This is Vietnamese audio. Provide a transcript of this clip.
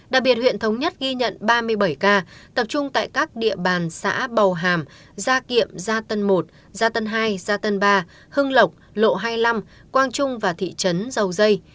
đặc biệt huyện thống nhất ghi nhận ba mươi bảy ca tập trung tại các địa bàn xã bầu hàm gia kiệm gia tân một gia tân hai gia tân ba hưng lộc lộ hai mươi năm quang trung và thị trấn dầu dây